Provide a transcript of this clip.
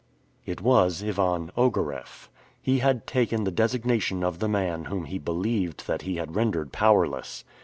It was Ivan Ogareff. He had taken the designation of the man whom he believed that he had rendered powerless.